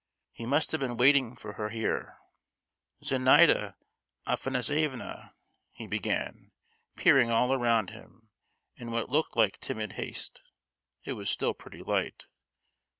He must have been waiting for her here. "Zenaida Afanassievna," he began, peering all around him in what looked like timid haste; it was still pretty light.